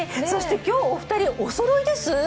そして今日、お二人おそろいです？